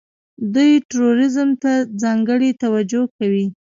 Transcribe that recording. دوی ټوریزم ته ځانګړې توجه کوي.